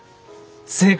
正解。